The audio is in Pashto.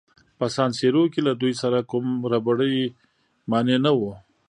په سان سیرو کې له دوی سره کوم ربړي مانع نه وو.